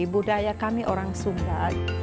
budaya kami orang sumba